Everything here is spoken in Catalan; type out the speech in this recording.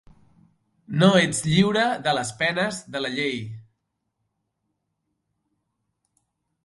No ets lliure de les penes de la llei!